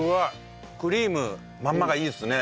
クリームまんまがいいですね